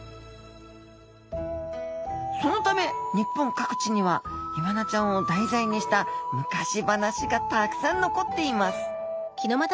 そのため日本各地にはイワナちゃんを題材にした昔話がたくさん残っています